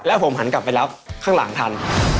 แล้วผมหันกลับไปรับข้างหลังทัน